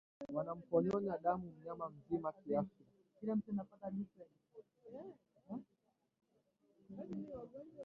wanapomnyonya damu mnyama mzima kiafya